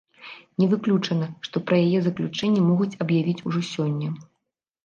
Не выключана, што пра яе заключэнне могуць аб'явіць ужо сёння.